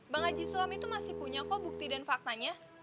bang haji sulam itu masih punya kok bukti dan faktanya